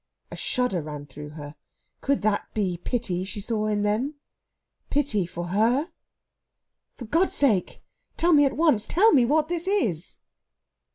A shudder ran through her. Could that be pity she saw in them pity for her? "For God's sake, tell me at once! Tell me what this is...."